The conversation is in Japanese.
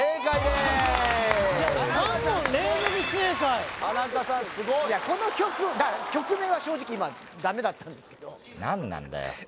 すごいこの曲曲名は正直今ダメだったんですけど何なんだよ